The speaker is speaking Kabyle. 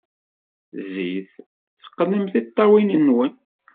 Zzit, teqqnem tiṭṭawin-nwen.